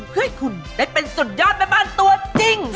เพื่อให้คุณได้เป็นสุดยอดแม่บ้านตัวจริง